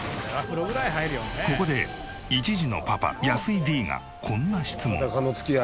ここで１児のパパ安井Ｄがこんな質問。